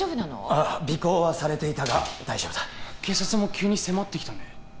ああ尾行はされていたが大丈夫だ警察も急に迫ってきたね